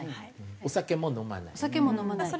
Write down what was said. お酒も飲まない。